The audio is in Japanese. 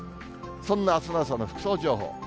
そんなあすの朝の服装情報。